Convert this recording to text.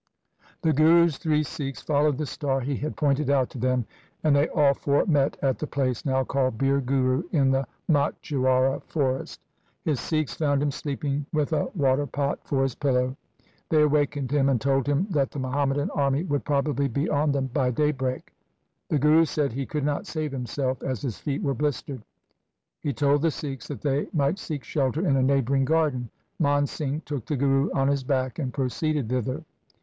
The Guru's three Sikhs followed the star he had pointed out to them, and they all four met at the place now called Bir Guru in the Machhiwara forest. His Sikhs found him sleeping with a waterpot for his pillow. They awakened him and told him that the Muhammadan army would probably be on them by daybreak. The Guru said he could not save him self, as his feet were blistered. He told the Sikhs that they might seek shelter in a neighbouring garden. Man Singh took the Guru on his back and proceeded thither.